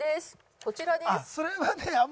こちらです。